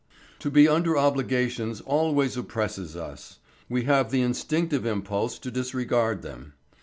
To be under obligations always oppresses us. We have the instinctive impulse to disregard them.